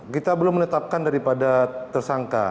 kita belum menetapkan daripada tersangka